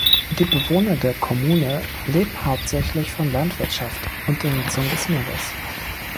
Die Bewohner der Kommune leben hauptsächlich von Landwirtschaft und der Nutzung des Meeres.